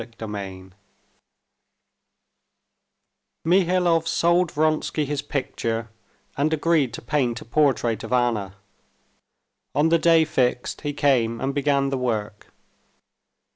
Chapter 13 Mihailov sold Vronsky his picture, and agreed to paint a portrait of Anna. On the day fixed he came and began the work.